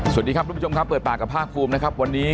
สวัสดีครับทุกผู้ชมครับเปิดปากกับภาคภูมินะครับวันนี้